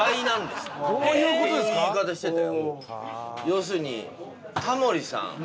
要するにタモリさん。